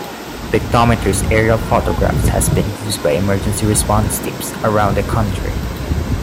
Pictometry's aerial photographs have been used by emergency response teams around the country.